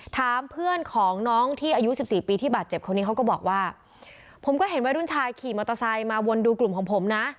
ถามเพื่อนของน้องที่อายุสิบสี่ปีที่บาดเจ็บคนนี้เขาก็บอกว่าผมก็เห็นวัยรุ่นชายขี่มอเตอร์ไซค์มาวนดูกลุ่มของผมนะ